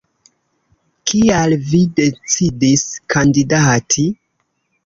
Kial vi decidis kandidati?